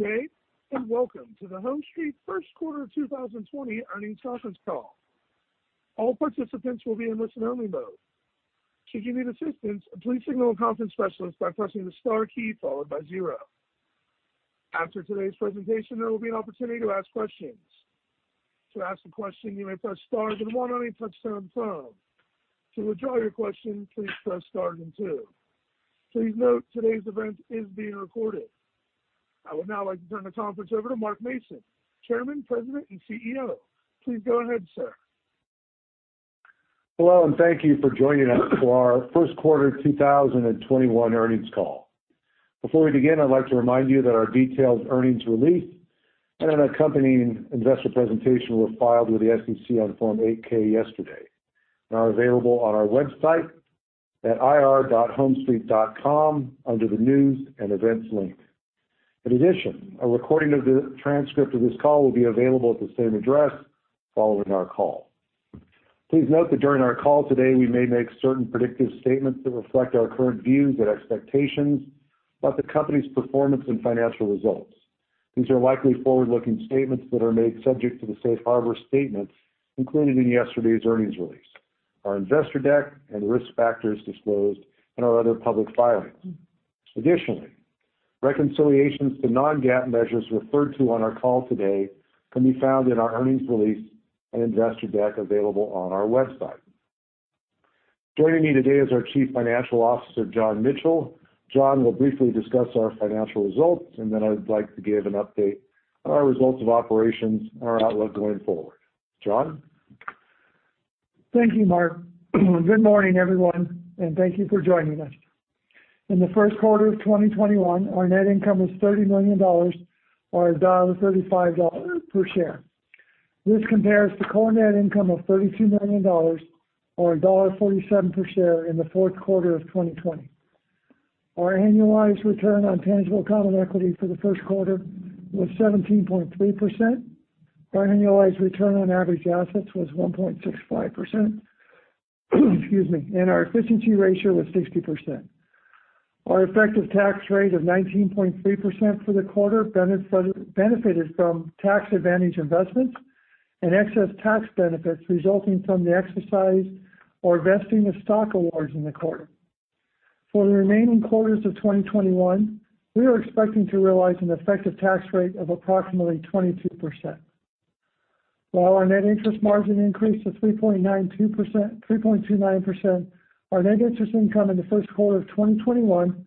Good day, and welcome to the HomeStreet first quarter 2020 earnings conference call. All participants will be in listen-only mode. Should you need assistance, please signal a conference specialist by pressing the star key followed by zero. After today's presentation, there will be an opportunity to ask questions. To ask a question, you may press star then one on your touch-tone phone. To withdraw your question, please press star then two. Please note today's event is being recorded. I would now like to turn the conference over to Mark Mason, Chairman, President, and CEO. Please go ahead, sir. Hello, and thank you for joining us for our first quarter 2021 earnings call. Before we begin, I'd like to remind you that our detailed earnings release and an accompanying investor presentation were filed with the SEC on Form 8-K yesterday, now available on our website at ir.homestreet.com under the News and Events link. In addition, a recording of the transcript of this call will be available at the same address following our call. Please note that during our call today, we may make certain predictive statements that reflect our current views and expectations about the company's performance and financial results. These are likely forward-looking statements that are made subject to the safe harbor statements included in yesterday's earnings release, our investor deck and risk factors disclosed in our other public filings. Reconciliations to non-GAAP measures referred to on our call today can be found in our earnings release and investor deck available on our website. Joining me today is our Chief Financial Officer, John Michel. John will briefly discuss our financial results, and then I would like to give an update on our results of operations and our outlook going forward. John? Thank you, Mark. Good morning, everyone, and thank you for joining us. In the first quarter of 2021, our net income was $30 million, or $1.35 per share. This compares to core net income of $32 million or $1.47 per share in the fourth quarter of 2020. Our annualized return on tangible common equity for the first quarter was 17.3%. Our annualized return on average assets was 1.65%. Excuse me. Our efficiency ratio was 60%. Our effective tax rate of 19.3% for the quarter benefited from tax advantage investments and excess tax benefits resulting from the exercise or vesting of stock awards in the quarter. For the remaining quarters of 2021, we are expecting to realize an effective tax rate of approximately 22%. While our net interest margin increased to 3.29%, our net interest income in the first quarter of 2021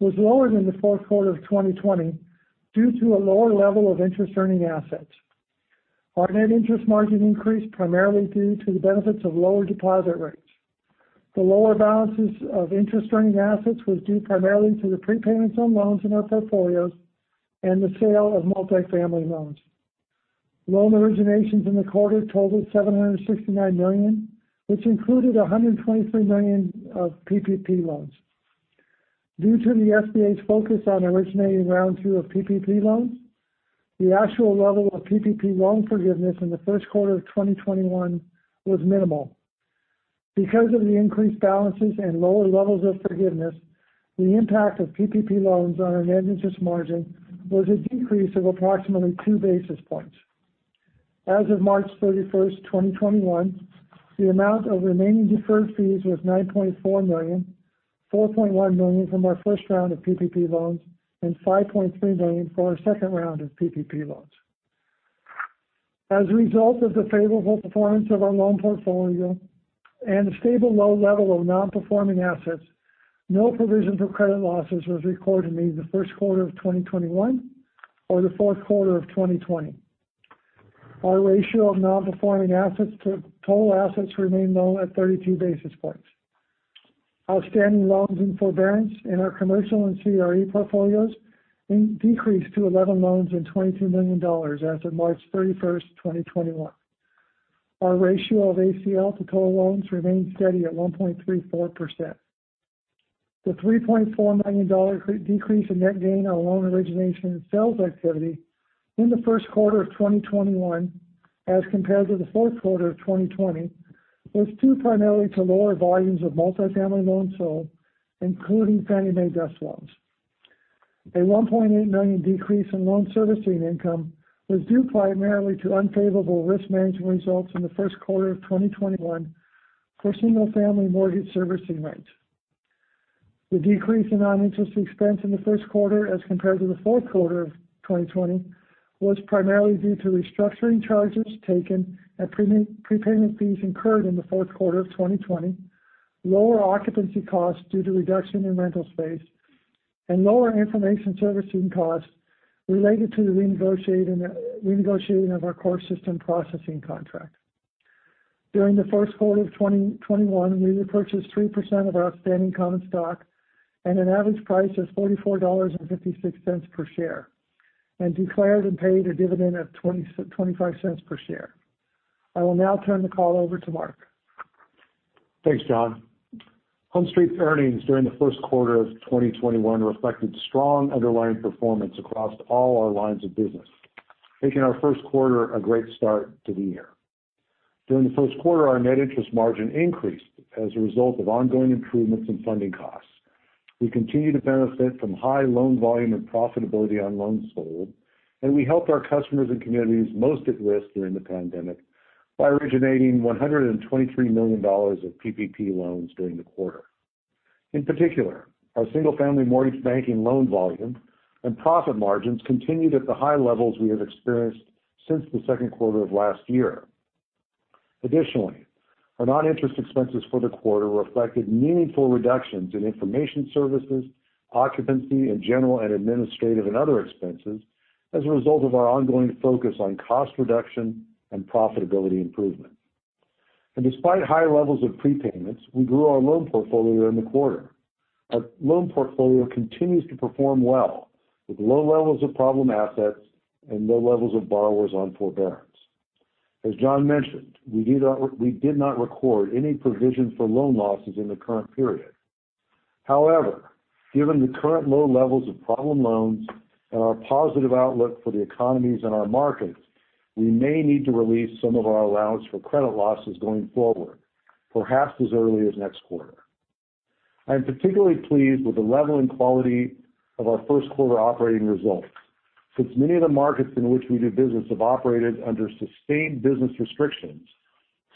was lower than the fourth quarter of 2020 due to a lower level of interest-earning assets. Our net interest margin increased primarily due to the benefits of lower deposit rates. The lower balances of interest-earning assets was due primarily to the prepayments on loans in our portfolios and the sale of multifamily loans. Loan originations in the quarter totaled $769 million, which included $123 million of PPP loans. Due to the SBA's focus on originating round two of PPP loans, the actual level of PPP loan forgiveness in the first quarter of 2021 was minimal. Because of the increased balances and lower levels of forgiveness, the impact of PPP loans on our net interest margin was a decrease of approximately two basis points. As of March 31st, 2021, the amount of remaining deferred fees was $9.4 million, $4.1 million from our first round of PPP loans and $5.3 million for our second round of PPP loans. As a result of the favorable performance of our loan portfolio and the stable low level of non-performing assets, no provision for credit losses was recorded in either the first quarter of 2021 or the fourth quarter of 2020. Our ratio of non-performing assets to total assets remained low at 32 basis points. Outstanding loans in forbearance in our commercial and CRE portfolios decreased to 11 loans and $22 million as of March 31st, 2021. Our ratio of ACL to total loans remained steady at 1.34%. The $3.4 million decrease in net gain on loan origination and sales activity in the first quarter of 2021 as compared to the fourth quarter of 2020 was due primarily to lower volumes of multifamily loans sold, including Fannie Mae DUS loans. A $1.8 million decrease in loan servicing income was due primarily to unfavorable risk management results in the first quarter of 2021 for single-family mortgage servicing rates. The decrease in non-interest expense in the first quarter as compared to the fourth quarter of 2020 was primarily due to restructuring charges taken and prepayment fees incurred in the fourth quarter of 2020, lower occupancy costs due to reduction in rental space, and lower information servicing costs related to the renegotiating of our core system processing contract. During the first quarter of 2021, we repurchased 3% of our outstanding common stock at an average price of $44.56 per share and declared and paid a dividend of $0.25 per share. I will now turn the call over to Mark. Thanks, John. HomeStreet's earnings during the first quarter of 2021 reflected strong underlying performance across all our lines of business, making our first quarter a great start to the year. During the first quarter, our net interest margin increased as a result of ongoing improvements in funding costs. We continue to benefit from high loan volume and profitability on loans sold, and we helped our customers and communities most at risk during the pandemic by originating $123 million of PPP loans during the quarter. In particular, our single-family mortgage banking loan volume and profit margins continued at the high levels we have experienced since the second quarter of last year. Additionally, our non-interest expenses for the quarter reflected meaningful reductions in information services, occupancy, and general and administrative and other expenses as a result of our ongoing focus on cost reduction and profitability improvement. Despite high levels of prepayments, we grew our loan portfolio in the quarter. Our loan portfolio continues to perform well with low levels of problem assets and low levels of borrowers on forbearance. As John mentioned, we did not record any provision for loan losses in the current period. However, given the current low levels of problem loans and our positive outlook for the economies and our markets, we may need to release some of our allowance for credit losses going forward, perhaps as early as next quarter. I am particularly pleased with the level and quality of our first quarter operating results, since many of the markets in which we do business have operated under sustained business restrictions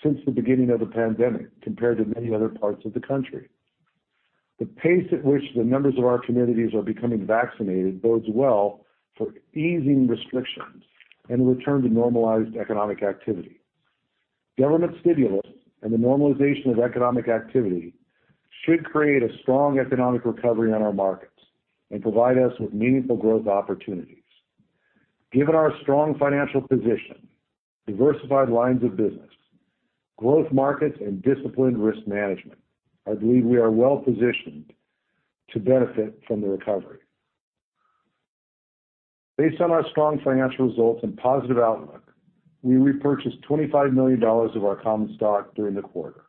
since the beginning of the pandemic compared to many other parts of the country. The pace at which the members of our communities are becoming vaccinated bodes well for easing restrictions and a return to normalized economic activity. Government stimulus and the normalization of economic activity should create a strong economic recovery on our markets and provide us with meaningful growth opportunities. Given our strong financial position, diversified lines of business, growth markets, and disciplined risk management, I believe we are well-positioned to benefit from the recovery. Based on our strong financial results and positive outlook, we repurchased $25 million of our common stock during the quarter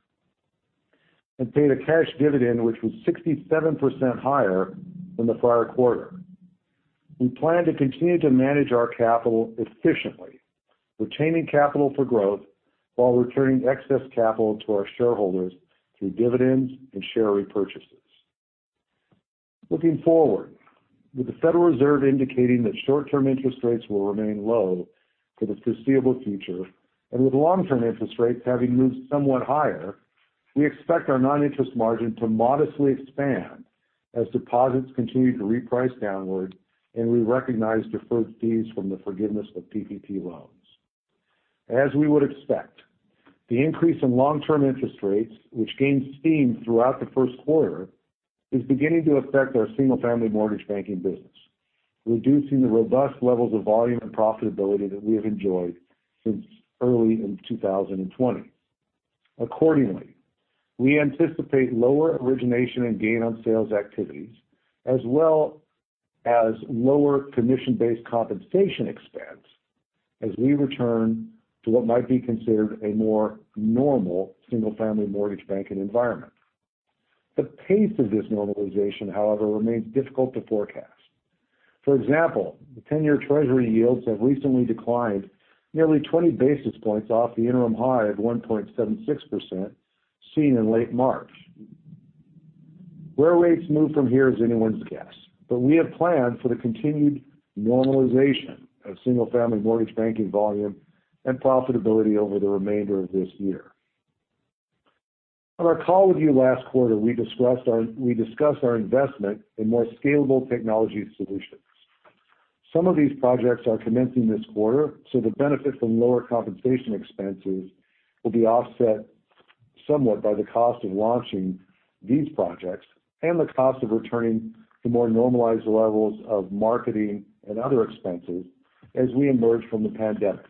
and paid a cash dividend, which was 67% higher than the prior quarter. We plan to continue to manage our capital efficiently, retaining capital for growth while returning excess capital to our shareholders through dividends and share repurchases. Looking forward, with the Federal Reserve indicating that short-term interest rates will remain low for the foreseeable future, and with long-term interest rates having moved somewhat higher, we expect our non-interest margin to modestly expand as deposits continue to reprice downward and we recognize deferred fees from the forgiveness of PPP loans. As we would expect, the increase in long-term interest rates, which gained steam throughout the first quarter, is beginning to affect our single-family mortgage banking business, reducing the robust levels of volume and profitability that we have enjoyed since early in 2020. Accordingly, we anticipate lower origination and gain on sales activities, as well as lower commission-based compensation expense as we return to what might be considered a more normal single-family mortgage banking environment. The pace of this normalization, however, remains difficult to forecast. For example, the 10-year Treasury yields have recently declined nearly 20 basis points off the interim high of 1.76% seen in late March. Where rates move from here is anyone's guess. We have planned for the continued normalization of single-family mortgage banking volume and profitability over the remainder of this year. On our call with you last quarter, we discussed our investment in more scalable technology solutions. Some of these projects are commencing this quarter. The benefit from lower compensation expenses will be offset somewhat by the cost of launching these projects and the cost of returning to more normalized levels of marketing and other expenses as we emerge from the pandemic.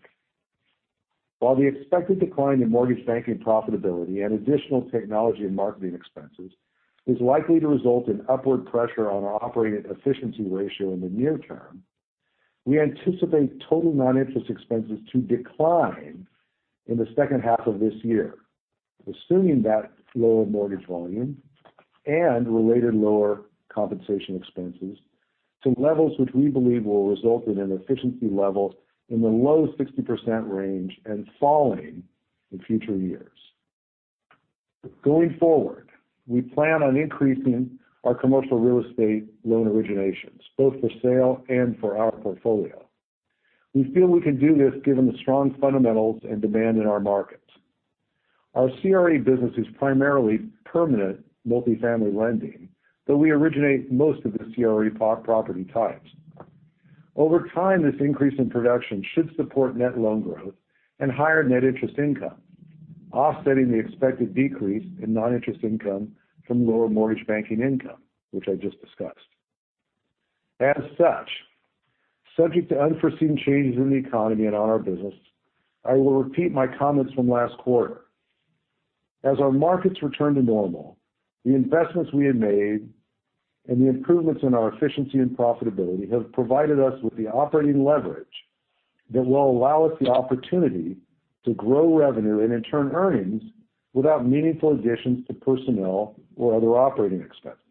While the expected decline in mortgage banking profitability and additional technology and marketing expenses is likely to result in upward pressure on our operating efficiency ratio in the near term, we anticipate total non-interest expenses to decline in the second half of this year, assuming that lower mortgage volume and related lower compensation expenses to levels which we believe will result in an efficiency level in the low 60% range and falling in future years. Going forward, we plan on increasing our commercial real estate loan originations, both for sale and for our portfolio. We feel we can do this given the strong fundamentals and demand in our markets. Our CRE business is primarily permanent multifamily lending, though we originate most of the CRE property types. Over time, this increase in production should support net loan growth and higher net interest income, offsetting the expected decrease in non-interest income from lower mortgage banking income, which I just discussed. As such, subject to unforeseen changes in the economy and on our business, I will repeat my comments from last quarter. As our markets return to normal, the investments we have made and the improvements in our efficiency and profitability have provided us with the operating leverage that will allow us the opportunity to grow revenue and in turn earnings without meaningful additions to personnel or other operating expenses.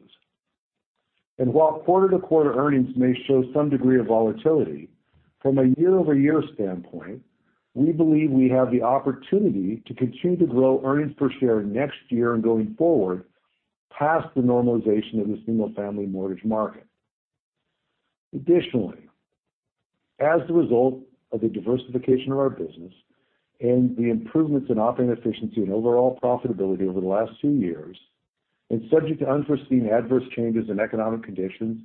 While quarter-to-quarter earnings may show some degree of volatility, from a year-over-year standpoint, we believe we have the opportunity to continue to grow earnings per share next year and going forward past the normalization of the single-family mortgage market. Additionally, as the result of the diversification of our business and the improvements in operating efficiency and overall profitability over the last two years, and subject to unforeseen adverse changes in economic conditions,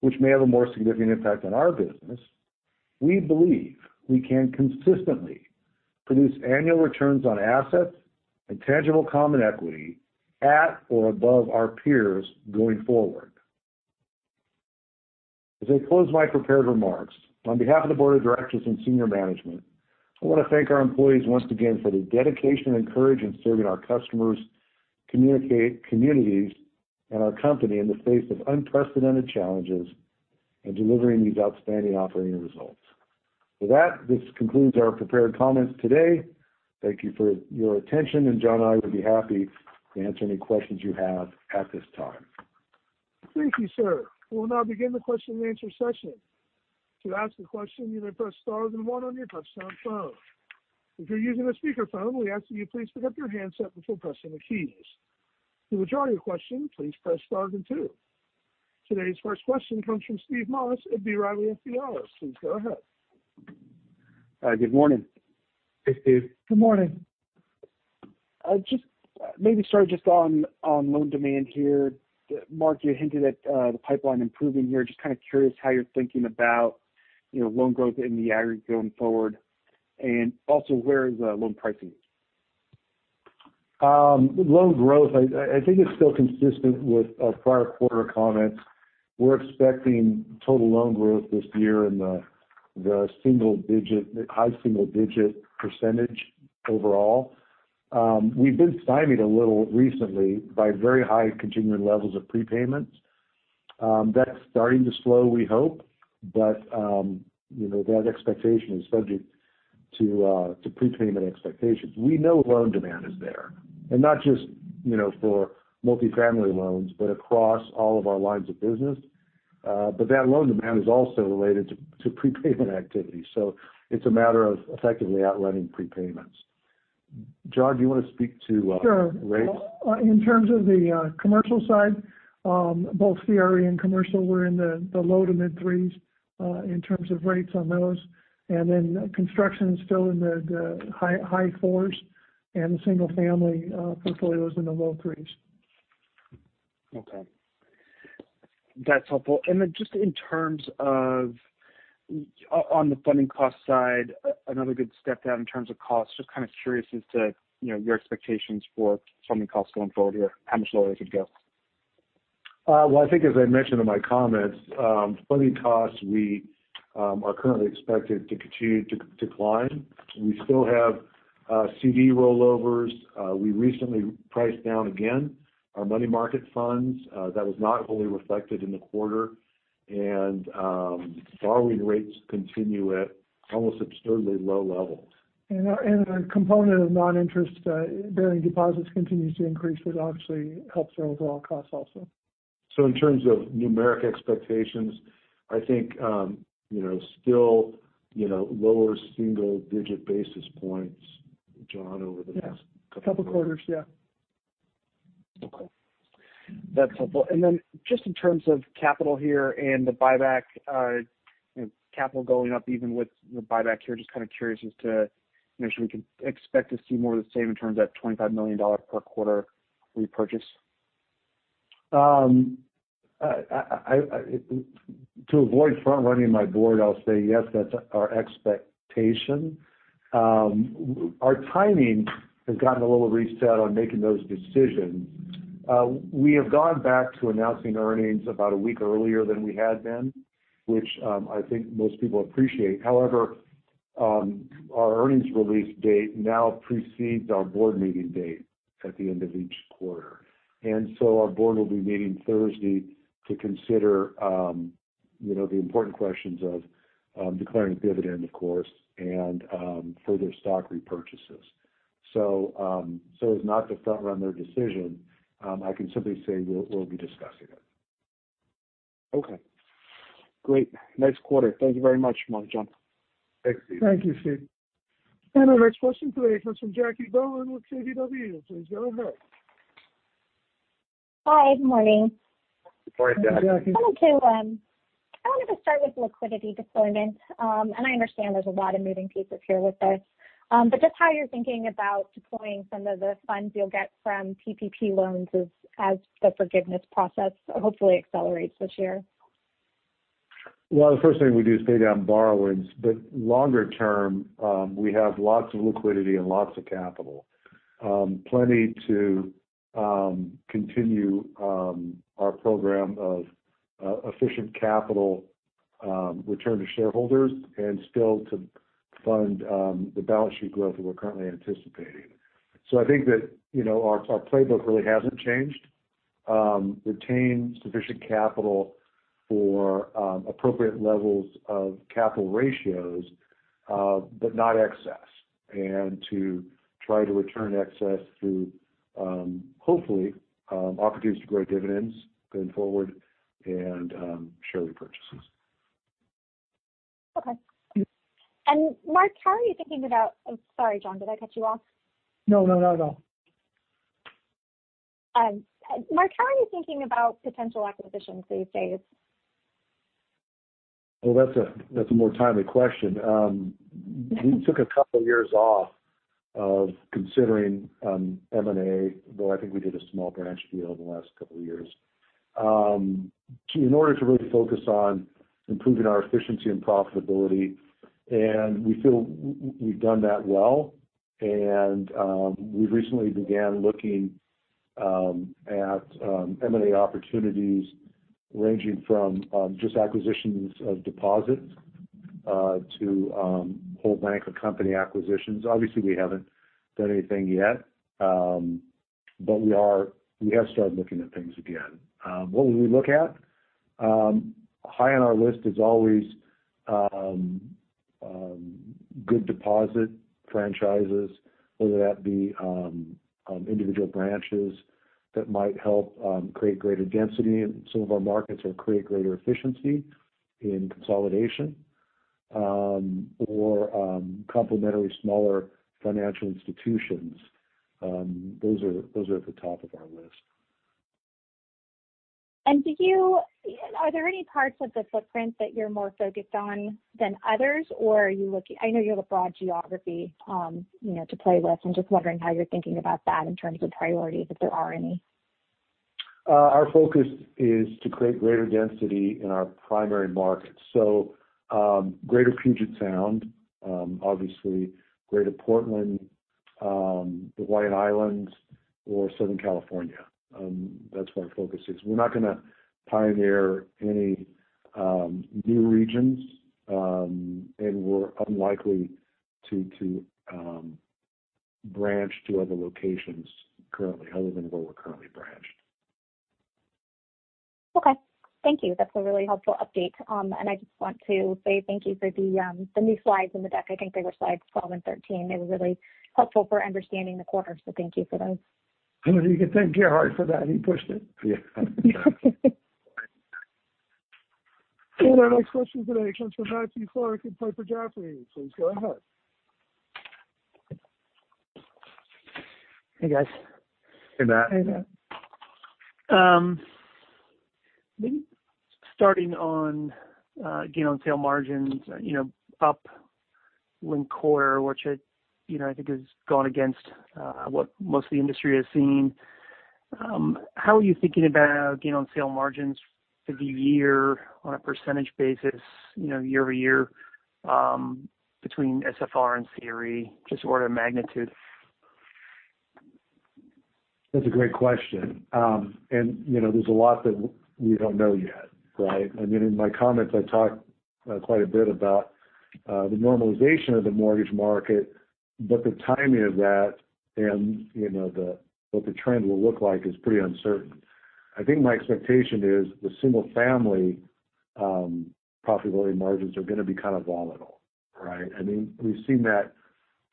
which may have a more significant impact on our business, we believe we can consistently produce annual returns on assets and tangible common equity at or above our peers going forward. As I close my prepared remarks, on behalf of the board of directors and senior management, I want to thank our employees once again for their dedication and courage in serving our customers, communities, and our company in the face of unprecedented challenges, and delivering these outstanding operating results. With that, this concludes our prepared comments today. Thank you for your attention, John and I would be happy to answer any questions you have at this time. Thank you, sir. We'll now begin the question and answer session. To ask a question, you may press star then one on your touch-tone phone. If you're using a speakerphone, we ask that you please pick up your handset before pressing the keys. To withdraw your question, please press star then two. Today's first question comes from Steve Moss of B. Riley Securities. Please go ahead. Hi, good morning. Hey, Steve. Good morning. Just maybe start just on loan demand here. Mark, you hinted at the pipeline improving here. Just kind of curious how you're thinking about loan growth in the aggregate going forward. Also, where is loan pricing? Loan growth, I think it's still consistent with our prior quarter comments. We're expecting total loan growth this year in the high single-digit percentage overall. We've been stymied a little recently by very high continuing levels of prepayments. That's starting to slow, we hope. That expectation is subject to prepayment expectations. We know loan demand is there, and not just for multifamily loans, but across all of our lines of business. That loan demand is also related to prepayment activity. It's a matter of effectively outrunning prepayments. John, do you want to speak to- Sure rates? In terms of the commercial side, both CRE and commercial were in the low to mid threes in terms of rates on those. Construction is still in the high fours. The single family portfolio is in the low threes. Okay. That's helpful. Just in terms of on the funding cost side, another good step down in terms of cost. Just kind of curious as to your expectations for funding costs going forward here, how much lower they could go? I think as I mentioned in my comments, funding costs, we are currently expected to continue to decline. We still have CD rollovers. We recently priced down again our money market funds. That was not fully reflected in the quarter. Borrowing rates continue at almost absurdly low levels. Our component of non-interest bearing deposits continues to increase, which obviously helps our overall costs also. In terms of numeric expectations, I think still lower single-digit basis points, John, over the next. Yeah couple quarters. Couple quarters, yeah. Okay. That's helpful. Then just in terms of capital here and the buyback, capital going up even with the buyback here, just kind of curious as to, you mentioned we can expect to see more of the same in terms of that $25 million per quarter repurchase. To avoid front running my board, I'll say yes, that's our expectation. Our timing has gotten a little reset on making those decisions. We have gone back to announcing earnings about a week earlier than we had been, which I think most people appreciate. However, our earnings release date now precedes our board meeting date at the end of each quarter. Our board will be meeting Thursday to consider the important questions of declaring a dividend, of course, and further stock repurchases. As not to front run their decision, I can simply say we'll be discussing it. Okay. Great. Nice quarter. Thank you very much, Mark, John. Thanks, Steve. Thank you, Steve. Our next question today comes from Jackie Bohlen with KBW. Please go ahead. Hi, good morning. Good morning, Jackie. Morning, Jackie. I wanted to start with liquidity deployment. I understand there's a lot of moving pieces here with this. Just how you're thinking about deploying some of the funds you'll get from PPP loans as the forgiveness process hopefully accelerates this year. Well, the first thing we do is pay down borrowings. Longer term, we have lots of liquidity and lots of capital. Plenty to continue our program of efficient capital return to shareholders and still to fund the balance sheet growth that we're currently anticipating. I think that our playbook really hasn't changed. Retain sufficient capital for appropriate levels of capital ratios, but not excess. To try to return excess through, hopefully, opportunities to grow dividends going forward and share repurchases. Okay. Mark, how are you thinking about Sorry, John, did I cut you off? No, not at all. Mark, how are you thinking about potential acquisitions these days? Well, that's a more timely question. We took a couple years off of considering M&A, though I think we did a small branch deal in the last couple of years, in order to really focus on improving our efficiency and profitability, and we feel we've done that well. We've recently began looking at M&A opportunities ranging from just acquisitions of deposits to whole bank or company acquisitions. Obviously, we haven't done anything yet. We have started looking at things again. What would we look at? High on our list is always good deposit franchises, whether that be individual branches that might help create greater density in some of our markets or create greater efficiency in consolidation, or complementary smaller financial institutions. Those are at the top of our list. Are there any parts of the footprint that you're more focused on than others, or are you looking -- I know you have a broad geography to play with. I'm just wondering how you're thinking about that in terms of priorities, if there are any. Our focus is to create greater density in our primary markets. Greater Puget Sound, obviously greater Portland, the Hawaiian Islands, or Southern California. That's where our focus is. We're not going to pioneer any new regions. We're unlikely to branch to other locations currently other than where we're currently branched. Okay. Thank you. That's a really helpful update. I just want to say thank you for the new slides in the deck. I think they were slides 12 and 13. They were really helpful for understanding the quarter. Thank you for those. You can thank Jackie for that. He pushed it. Yeah. Our next question today comes from Matthew Clark at Piper Sandler. Please go ahead. Hey, guys. Hey, Matt. Hey, Matt. Starting on gain on sale margins up linked quarter, which I think has gone against what most of the industry has seen. How are you thinking about gain on sale margins for the year on a percentage basis year-over-year between SFR and CRE? Just order of magnitude. That's a great question. There's a lot that we don't know yet, right? I mean, in my comments, I talked quite a bit about the normalization of the mortgage market, the timing of that and what the trend will look like is pretty uncertain. I think my expectation is the single-family profitability margins are going to be kind of volatile, right? I mean, we've seen that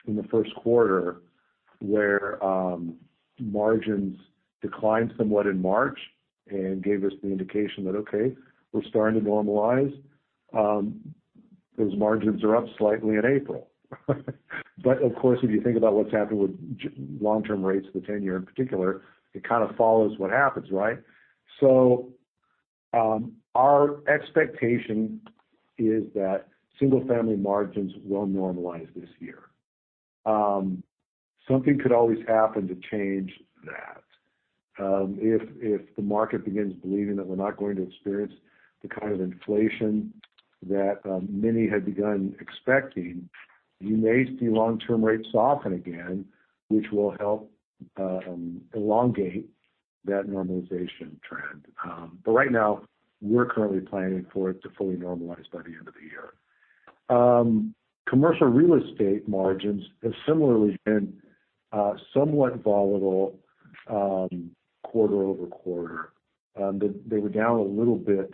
in the first quarter, where margins declined somewhat in March and gave us the indication that, okay, we're starting to normalize. Those margins are up slightly in April. Of course, if you think about what's happened with long-term rates, the 1-year in particular, it kind of follows what happens, right? Our expectation is that single-family margins will normalize this year. Something could always happen to change that. If the market begins believing that we're not going to experience the kind of inflation that many had begun expecting, you may see long-term rates soften again, which will help elongate that normalization trend. Right now, we're currently planning for it to fully normalize by the end of the year. Commercial real estate margins have similarly been somewhat volatile quarter-over-quarter. They were down a little bit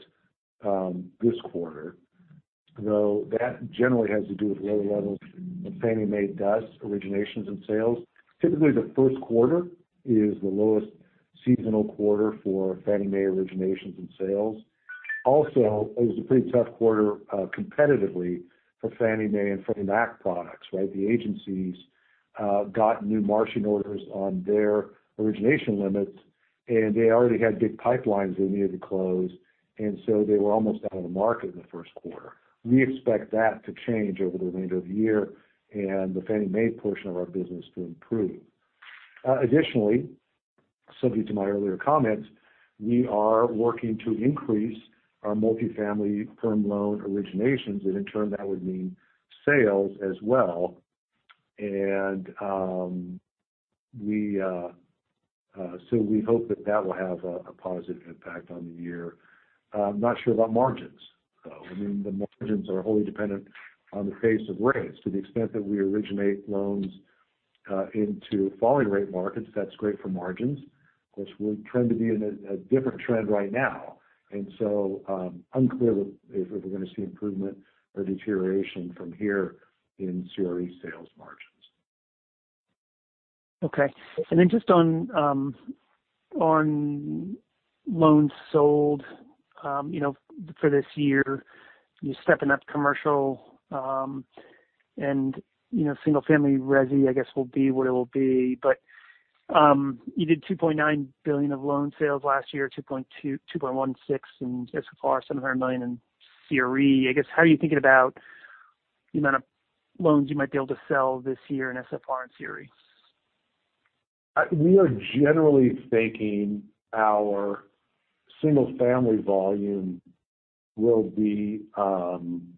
this quarter, though that generally has to do with lower levels of Fannie Mae DUS originations and sales. Typically, the first quarter is the lowest seasonal quarter for Fannie Mae originations and sales. Also, it was a pretty tough quarter competitively for Fannie Mae and Freddie Mac products, right? The agencies got new margin orders on their origination limits, and they already had big pipelines they needed to close, and so they were almost out of the market in the first quarter. We expect that to change over the remainder of the year and the Fannie Mae portion of our business to improve. Additionally, subject to my earlier comments, we are working to increase our multifamily term loan originations, and in turn, that would mean sales as well. We hope that that will have a positive impact on the year. Not sure about margins. I mean, the margins are wholly dependent on the pace of rates. To the extent that we originate loans into falling rate markets, that's great for margins. Of course, we're trending to be in a different trend right now. Unclear if we're going to see improvement or deterioration from here in CRE sales margins. Okay. Just on loans sold for this year, you're stepping up commercial and single-family resi, I guess, will be what it will be. You did $2.9 billion of loan sales last year, $2.16 billion in SFR, $700 million in CRE. I guess, how are you thinking about the amount of loans you might be able to sell this year in SFR and CRE? We are generally thinking our single-family volume will be, in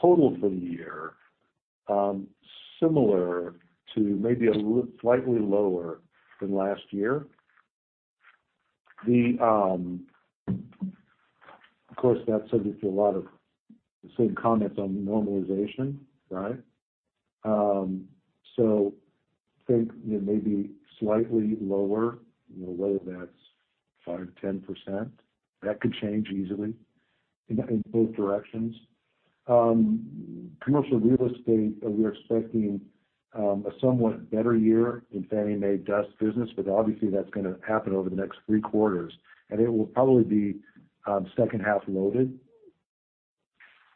total for the year, similar to maybe slightly lower than last year. Of course, that's subject to a lot of the same comments on normalization. Right? Think maybe slightly lower. Lower, that's 5%-10%. That could change easily in both directions. Commercial real estate, we're expecting a somewhat better year in Fannie Mae DUS business, but obviously, that's going to happen over the next three quarters, and it will probably be second-half loaded.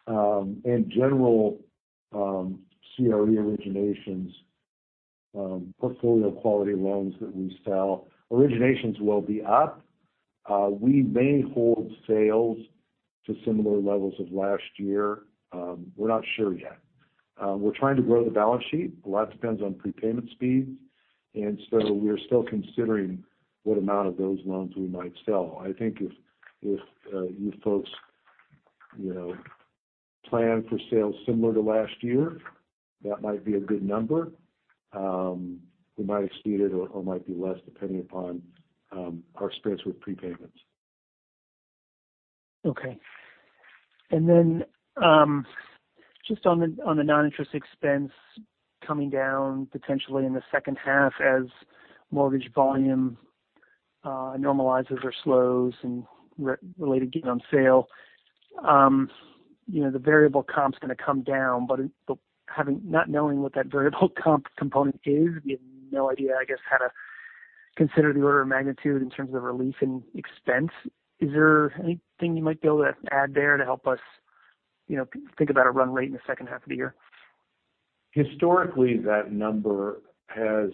In general, CRE originations, portfolio-quality loans that we sell, originations will be up. We may hold sales to similar levels of last year. We're not sure yet. We're trying to grow the balance sheet. A lot depends on prepayment speeds, and so we're still considering what amount of those loans we might sell. I think if you folks plan for sales similar to last year, that might be a good number. We might exceed it or might be less, depending upon our experience with prepayments. Okay. Just on the non-interest expense coming down potentially in the second half as mortgage volume normalizes or slows and related gain on sale. The variable comp's going to come down, but not knowing what that variable comp component is, we have no idea, I guess, how to consider the order of magnitude in terms of relief in expense. Is there anything you might be able to add there to help us think about a run rate in the second half of the year? Historically, that number has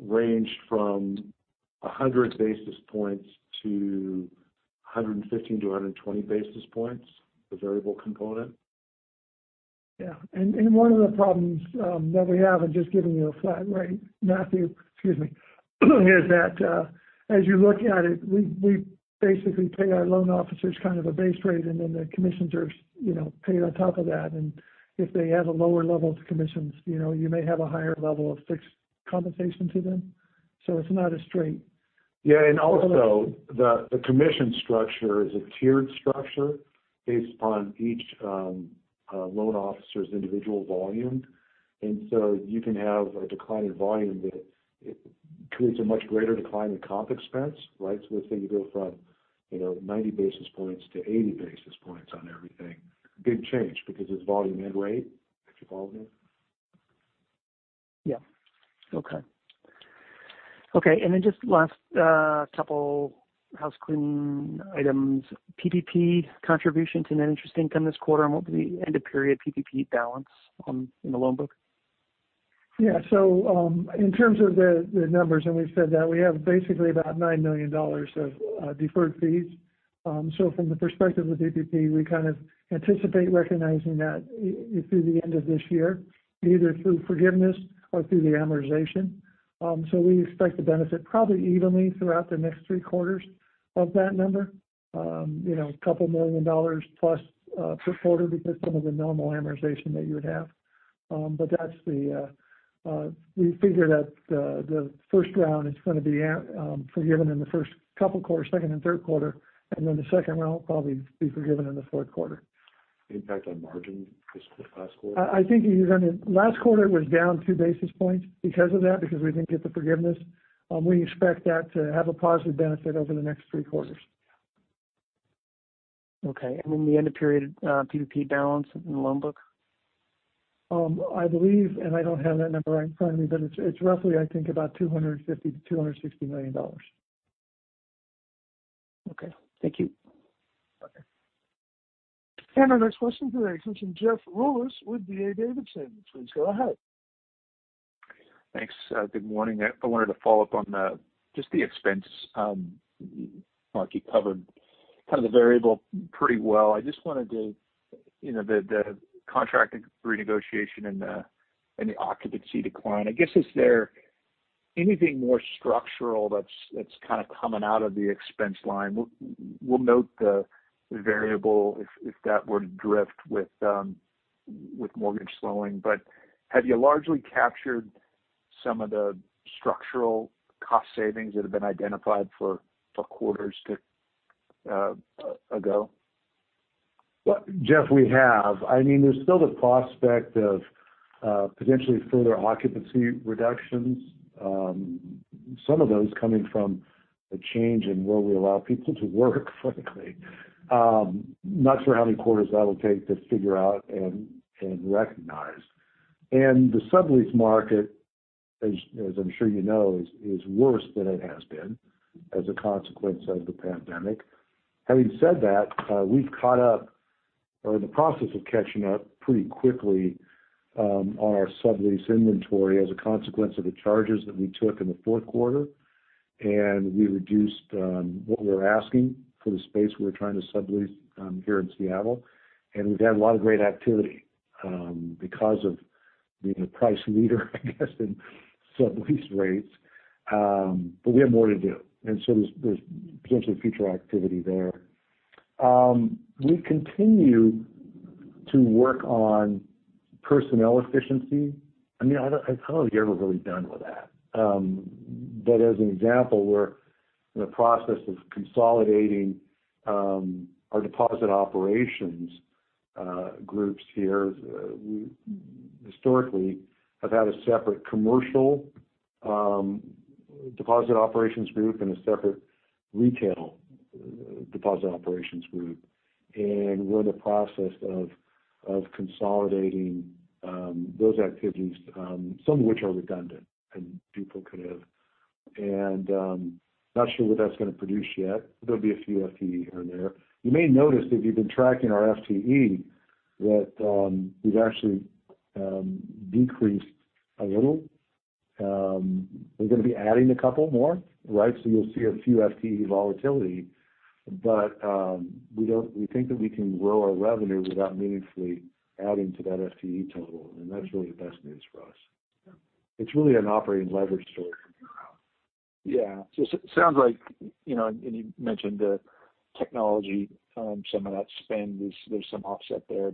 ranged from 100 basis points to 115 to 120 basis points, the variable component. Yeah. One of the problems that we have in just giving you a flat rate, Matthew, excuse me, is that as you look at it, we basically pay our loan officers kind of a base rate, and then the commissions are paid on top of that. If they have a lower level of commissions, you may have a higher level of fixed compensation to them. It's not as straight. Yeah. Also, the commission structure is a tiered structure based upon each loan officer's individual volume. You can have a decline in volume that creates a much greater decline in comp expense, right? Let's say you go from 90 basis points to 80 basis points on everything. Big change because it's volume and rate. If you follow me. Yeah. Okay. Okay. Just last couple housecleaning items. PPP contribution to net interest income this quarter, and what will be end-of-period PPP balance in the loan book? Yeah. In terms of the numbers, and we've said that we have basically about $9 million of deferred fees. From the perspective of PPP, we kind of anticipate recognizing that through the end of this year, either through forgiveness or through the amortization. We expect to benefit probably evenly throughout the next three quarters of that number. A couple million dollars plus per quarter because some of the normal amortization that you would have. We figure that the first round is going to be forgiven in the first couple quarters, second and third quarter, and then the second round will probably be forgiven in the fourth quarter. The impact on margin this past quarter? I think last quarter, it was down two basis points because of that, because we didn't get the forgiveness. We expect that to have a positive benefit over the next three quarters. Okay. The end-of-period PPP balance in the loan book? I believe, and I don't have that number right in front of me, but it's roughly, I think, about $250 million-$260 million. Okay. Thank you. Okay. Our next question today comes from Jeff Rulis with D.A. Davidson. Please go ahead. Thanks. Good morning. I wanted to follow up on just the expense. Mark, you covered kind of the variable pretty well. The contract renegotiation and the occupancy decline, I guess, is there anything more structural that's kind of coming out of the expense line? We'll note the variable if that were to drift with mortgage slowing. Have you largely captured some of the structural cost savings that have been identified for quarters ago? Well, Jeff, we have. There's still the prospect of potentially further occupancy reductions. Some of those coming from a change in where we allow people to work, frankly. I'm not sure how many quarters that'll take to figure out and recognize. The sublease market, as I'm sure you know, is worse than it has been as a consequence of the pandemic. Having said that, we've caught up or are in the process of catching up pretty quickly on our sublease inventory as a consequence of the charges that we took in the fourth quarter. We reduced what we were asking for the space we're trying to sublease here in Seattle. We've had a lot of great activity because of being the price leader, I guess, in sublease rates. We have more to do. There's potentially future activity there. We continue to work on personnel efficiency. It's probably ever really done with that. As an example, we're in the process of consolidating our deposit operations groups here. We historically have had a separate commercial deposit operations group and a separate retail deposit operations group. We're in the process of consolidating those activities, some of which are redundant and duplicative. I'm not sure what that's going to produce yet. There'll be a few FTE here and there. You may notice, if you've been tracking our FTE, that we've actually decreased a little. We're going to be adding a couple more. You'll see a few FTE volatility, we think that we can grow our revenue without meaningfully adding to that FTE total, and that's really the best news for us. It's really an operating leverage story. Yeah. It sounds like, and you mentioned the technology, some of that spend, there's some offset there.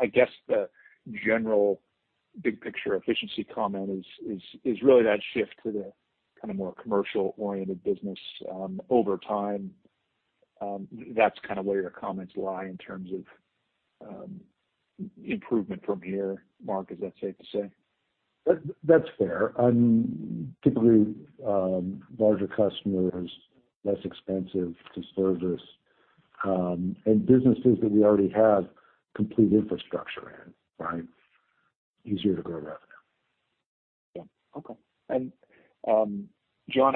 I guess the general big-picture efficiency comment is really that shift to the kind of more commercial-oriented business over time. That's kind of where your comments lie in terms of improvement from here, Mark. Is that safe to say? That's fair. Typically larger customers, less expensive to service, and businesses that we already have complete infrastructure in, easier to grow revenue. Yeah. Okay. John,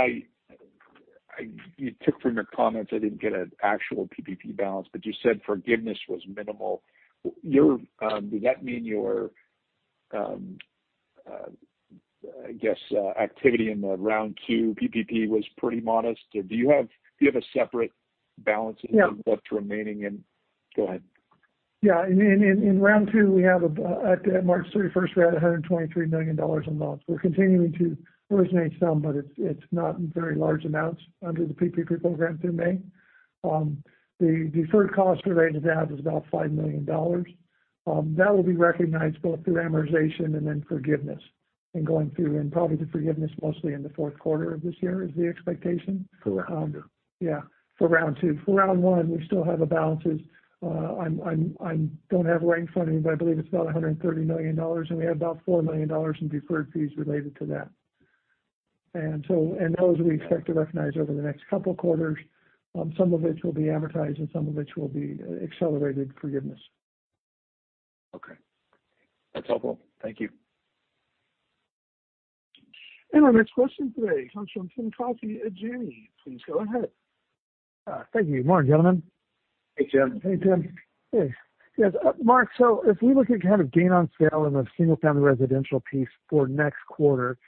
you took from your comments, I didn't get an actual PPP balance, but you said forgiveness was minimal. Does that mean your, I guess, activity in the round 2 PPP was pretty modest? Do you have a separate balance in terms of what's remaining? Go ahead. Yeah. In round two, at March 31st, we had $123 million on the books. We're continuing to originate some, but it's not very large amounts under the PPP program through May. The deferred cost related to that was about $5 million. That will be recognized both through amortization and then forgiveness. Going through and probably the forgiveness mostly in the fourth quarter of this year is the expectation. For round two. Yeah, for round two. For round one, we still have balances. I don't have it right in front of me, but I believe it's about $130 million, and we have about $four million in deferred fees related to that. Those we expect to recognize over the next couple of quarters. Some of which will be amortized and some of which will be accelerated forgiveness. Okay. That's helpful. Thank you. Our next question today comes from Tim Coffey at Janney. Please go ahead. Thank you. Morning, gentlemen. Hey, Tim. Hey, Tim. Yes. Mark, if we look at kind of gain on sale in the single-family residential piece for next quarter,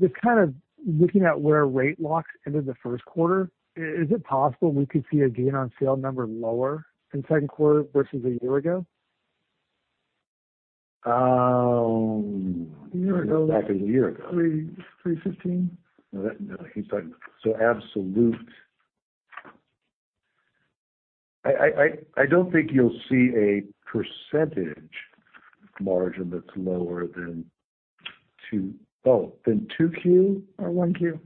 just kind of looking at where rate locks ended the first quarter, is it possible we could see a gain on sale number lower in second quarter versus a year ago? A year ago A year ago. 3.15. Absolute. I don't think you'll see a percentage margin that's lower than 2Q. 1Q.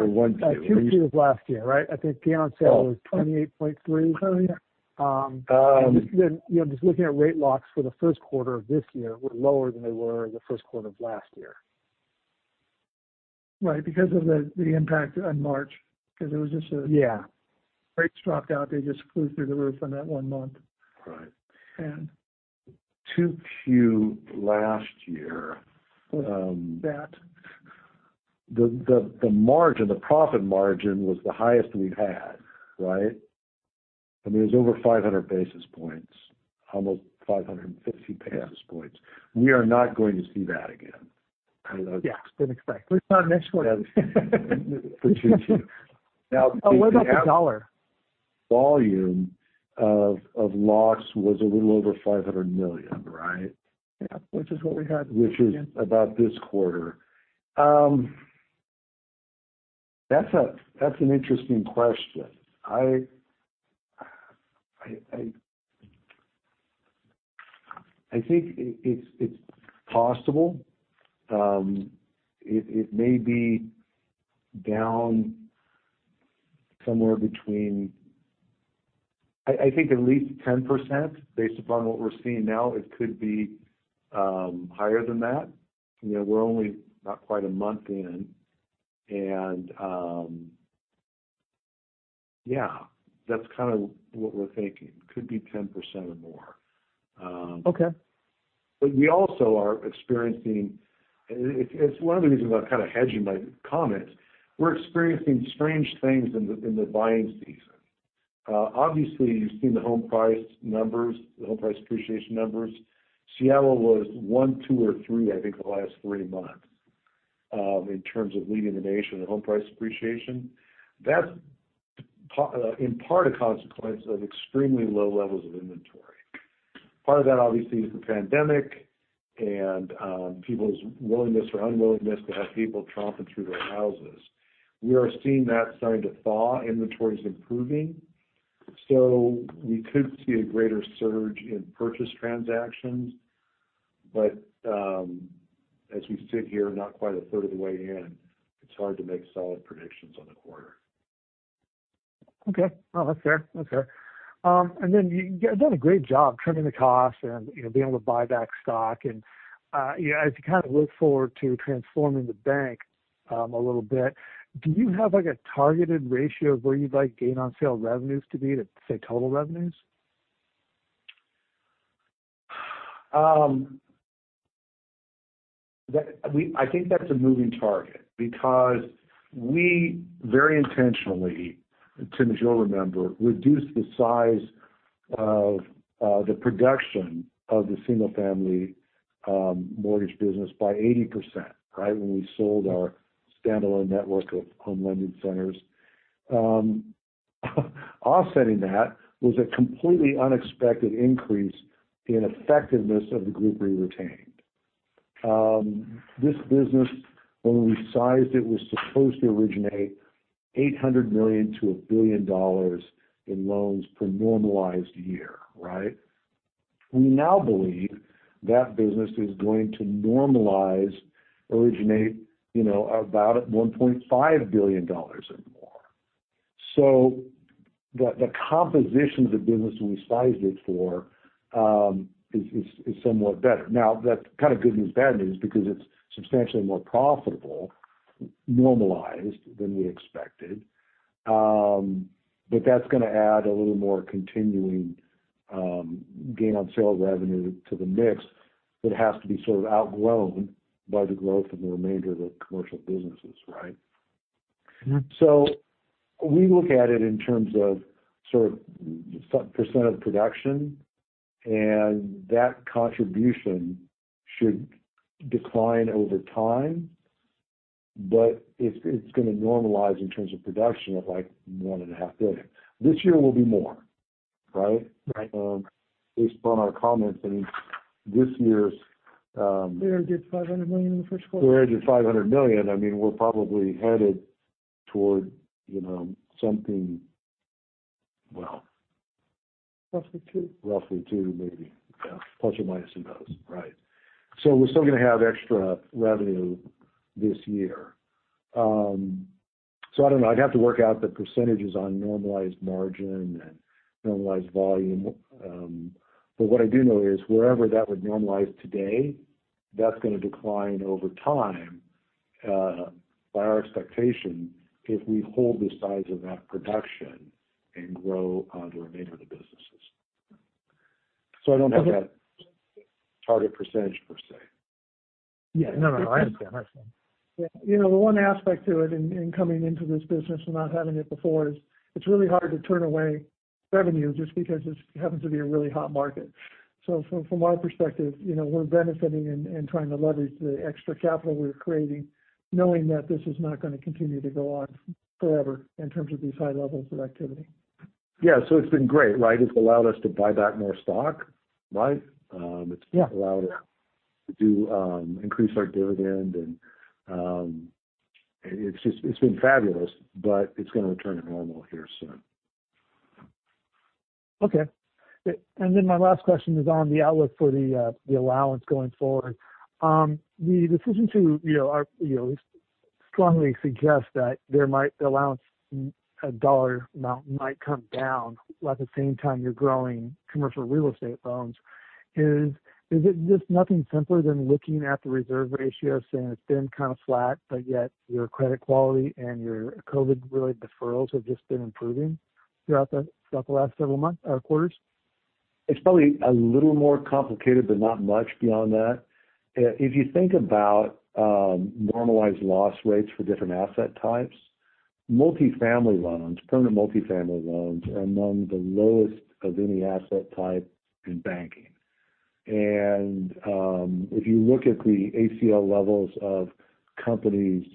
1Q. 1Q was last year, right? I think gain on sale was $28.3. Oh, yeah. Just looking at rate locks for the first quarter of this year were lower than they were the first quarter of last year. Right. Because of the impact on March. Because it was just Yeah rates dropped out. They just flew through the roof in that one month. Right. And- 2Q last year. That The margin, the profit margin was the highest we've had. It was over 500 basis points, almost 550 basis points. We are not going to see that again. Yeah. Didn't expect. At least not next quarter. For 2Q. Oh, what about the dollar? Volume of loss was a little over $500 million. Yeah. Which is about this quarter. That's an interesting question. I think it's possible. It may be down somewhere between, I think, at least 10%, based upon what we're seeing now. It could be higher than that. We're only not quite a month in. Yeah, that's kind of what we're thinking. Could be 10% or more. Okay. We also are experiencing. It's one of the reasons why I'm kind of hedging my comments. We're experiencing strange things in the buying season. Obviously, you've seen the home price appreciation numbers. Seattle was one, two, or three, I think, the last three months in terms of leading the nation in home price appreciation. That's in part a consequence of extremely low levels of inventory. Part of that, obviously, is the pandemic and people's willingness or unwillingness to have people tromping through their houses. We are seeing that starting to thaw. Inventory's improving. We could see a greater surge in purchase transactions. As we sit here, not quite a third of the way in, it's hard to make solid predictions on the quarter. Okay. No, that's fair. You've done a great job trimming the costs and being able to buy back stock. As you kind of look forward to transforming the bank a little bit, do you have a targeted ratio of where you'd like gain on sale revenues to be to, say, total revenues? I think that's a moving target because we very intentionally, Tim, as you'll remember, reduced the size of the production of the single-family mortgage business by 80%, when we sold our standalone network of home lending centers. Offsetting that was a completely unexpected increase in effectiveness of the group we retained. This business, when we sized it, was supposed to originate $800 million-$1 billion in loans per normalized year. We now believe that business is going to normalize, originate about at $1.5 billion or more. The composition of the business when we sized it for is somewhat better. Now, that's kind of good news, bad news because it's substantially more profitable, normalized than we expected. That's going to add a little more continuing gain on sale revenue to the mix that has to be sort of outgrown by the growth of the remainder of the commercial businesses. We look at it in terms of sort of percent of production, and that contribution should decline over time. It's going to normalize in terms of production at like $1.5 billion. This year will be more. Right. Based upon our comments and this year's- They already did $500 million in the first quarter. They already did $500 million. We're probably headed toward something, well- Roughly two? Roughly two, maybe. Yeah. Plus or minus 12. We're still going to have extra revenue this year. I don't know. I'd have to work out the percentage on normalized margin and normalized volume. What I do know is wherever that would normalize today, that's going to decline over time by our expectation if we hold the size of that production and grow the remainder of the businesses. I don't have that target percent per se. Yeah. No, I understand. The one aspect to it in coming into this business and not having it before is it's really hard to turn away revenue just because it happens to be a really hot market. From our perspective, we're benefiting and trying to leverage the extra capital we're creating, knowing that this is not going to continue to go on forever in terms of these high levels of activity. Yeah. It's been great. It's allowed us to buy back more stock. Yeah. It's allowed us to increase our dividend, and it's been fabulous. It's going to return to normal here soon. Okay. My last question is on the outlook for the allowance going forward. The decision to strongly suggest that the allowance dollar amount might come down at the same time you're growing commercial real estate loans. Is it just nothing simpler than looking at the reserve ratio, saying it's been kind of flat, but yet your credit quality and your COVID-related deferrals have just been improving throughout the last several quarters? It's probably a little more complicated, but not much beyond that. If you think about normalized loss rates for different asset types, permanent multifamily loans are among the lowest of any asset type in banking. If you look at the ACL levels of companies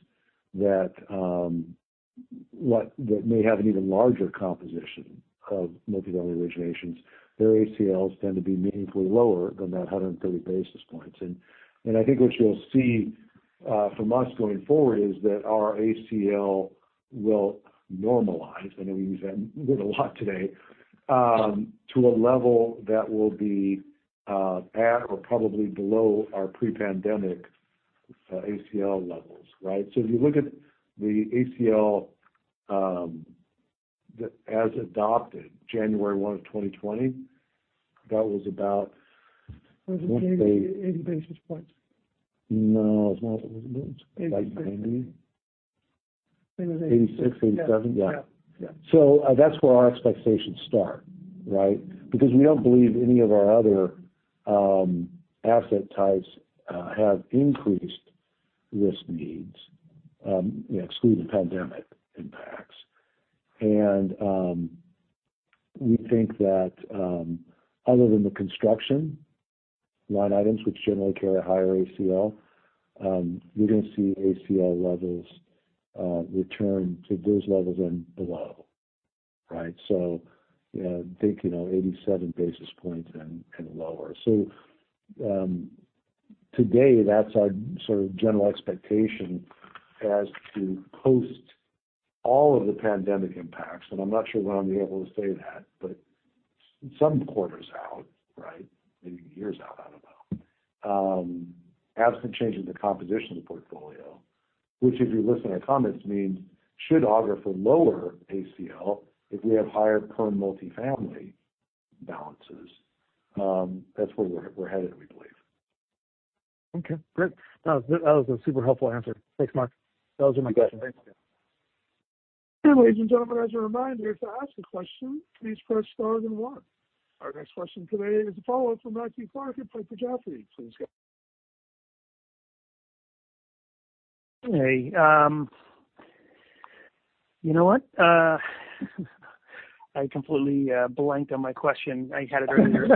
that may have an even larger composition of multifamily originations, their ACLs tend to be meaningfully lower than that 130 basis points. I think what you'll see from us going forward is that our ACL will normalize, I know we've used that word a lot today, to a level that will be at or probably below our pre-pandemic ACL levels. If you look at the ACL as adopted January 1, 2020. Was it 80 basis points? No, it's not. It's like $90. Think it was 86. 86, 87? Yeah. That's where our expectations start. We don't believe any of our other asset types have increased risk needs, excluding pandemic impacts. We think that other than the construction line items, which generally carry a higher ACL, we're going to see ACL levels return to those levels and below. Think 87 basis points and lower. Today, that's our general expectation as to post all of the pandemic impacts. I'm not sure when I'll be able to say that, but some quarters out. Maybe years out, I don't know. Absent change in the composition of the portfolio, which if you listen to comments means should augur for lower ACL if we have higher perm multifamily balances. That's where we're headed, we believe. Okay, great. That was a super helpful answer. Thanks, Mark. Those are my questions. You bet. Okay, ladies and gentlemen, as a reminder, to ask a question, please press star then one. Our next question today is a follow-up from Matthew Clark at Piper Sandler. Please go ahead. Hey. You know what? I completely blanked on my question. I had it right here.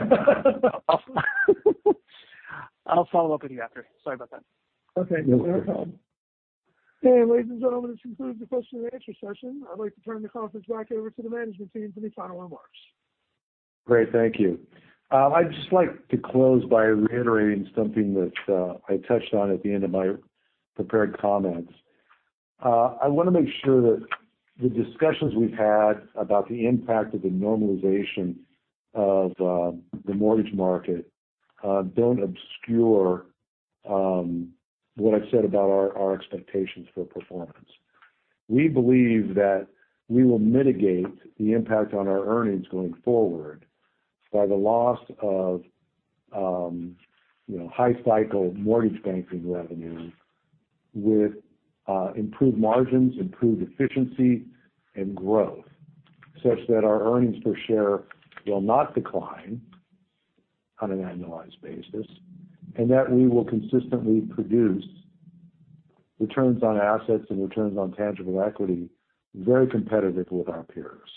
I'll follow up with you after. Sorry about that. Okay. No problem. Okay, ladies and gentlemen, this concludes the question and answer session. I'd like to turn the conference back over to the management team for any final remarks. Great, thank you. I'd just like to close by reiterating something that I touched on at the end of my prepared comments. I want to make sure that the discussions we've had about the impact of the normalization of the mortgage market don't obscure what I've said about our expectations for performance. We believe that we will mitigate the impact on our earnings going forward by the loss of high cycle mortgage banking revenue with improved margins, improved efficiency, and growth. Such that our earnings per share will not decline on an annualized basis, and that we will consistently produce returns on assets and returns on tangible equity very competitive with our peers.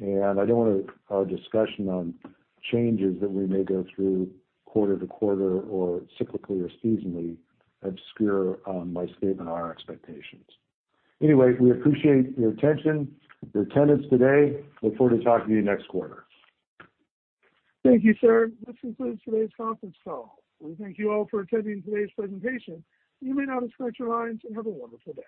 I don't want our discussion on changes that we may go through quarter to quarter or cyclically or seasonally obscure my statement on our expectations. We appreciate your attention, your attendance today. Look forward to talking to you next quarter. Thank you, sir. This concludes today's conference call. We thank you all for attending today's presentation. You may now disconnect your lines, and have a wonderful day.